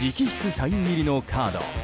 サイン入りのカード。